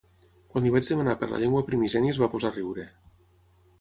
Quan li vaig demanar per la llengua primigènia es va posar a riure.